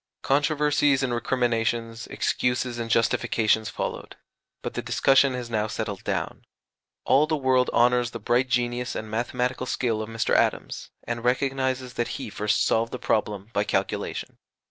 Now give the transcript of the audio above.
Controversies and recriminations, excuses and justifications, followed; but the discussion has now settled down. All the world honours the bright genius and mathematical skill of Mr. Adams, and recognizes that he first solved the problem by calculation.